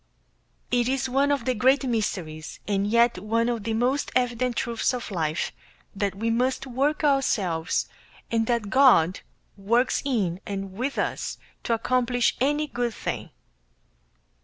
It is one of the great mysteries and yet one of the most evident truths of life, that we must work ourselves, and that God works in and with us, to accomplish any good thing.